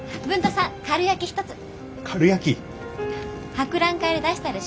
博覧会で出したでしょ？